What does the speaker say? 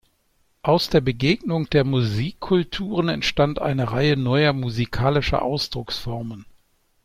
Aus der Begegnung der Musikkulturen entstand eine Reihe neuer musikalischer Ausdrucksformen.